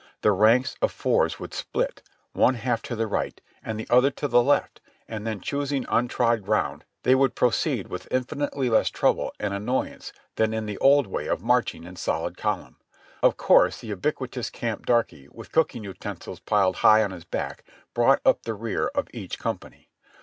The ranks of fours would spHt, I THE SECOND MANASSAS 239 one half to the right and the other to the left, and then choosing untrod ground they would proceed with infinitely less trouble and annoyance than in the old way of marching in solid column. Of course the ubiquitous camp darky, with cooking utensils piled high on his back, brought up the rear of each company.